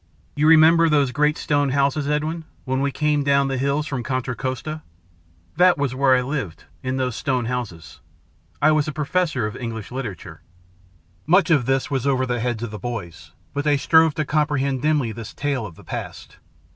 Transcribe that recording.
You remember those great stone houses, Edwin, when we came down the hills from Contra Costa? That was where I lived, in those stone houses. I was a professor of English literature." [Illustration: I was a professor of English literature 054] Much of this was over the heads of the boys, but they strove to comprehend dimly this tale of the past.